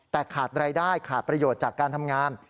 แต่ขาดรายได้ขาดประโยชน์จากการทำงาน